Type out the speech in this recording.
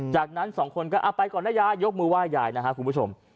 จากนั้นสองคนก็เอาไปก่อนนะยายยกมือไห้ยายนะครับคุณผู้ชม